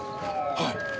はい。